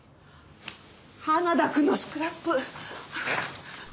花田くんのスクラップ！